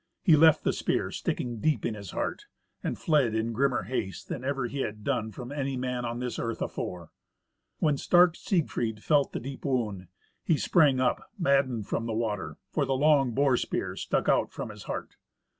He left the spear sticking deep in his heart, and fled in grimmer haste than ever he had done from any man on this earth afore. When Siegfried felt the deep wound, he sprang up maddened from the water, for the long boar spear stuck out from his heart.